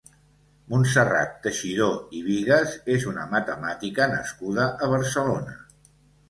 Montserrat Teixidor i Bigas és una matemàtica nascuda a Barcelona.